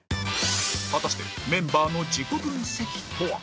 果たしてメンバーの自己分析とは？